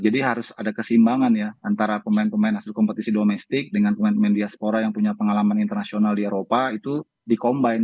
jadi harus ada kesimbangan ya antara pemain pemain hasil kompetisi domestik dengan pemain pemain diaspora yang punya pengalaman internasional di eropa itu di combine